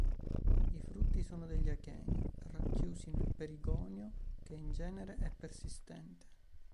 I frutti sono degli acheni racchiusi nel perigonio che in genere è persistente.